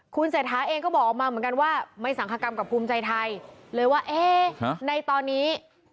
คุณเศรษฐาเองก็บอกออกมาเหมือนกันว่าไม่สังคกรรมกับภูมิใจไทยเลยว่าเอ๊ะในตอนนี้